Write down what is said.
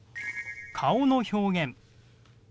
顔の表現。